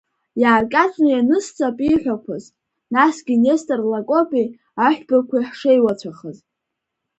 Иааркьаҿны ианысҵап ииҳәақәаз, насгьы Нестор Лакобеи Аҳәбақәеи ҳшеиуацәахаз.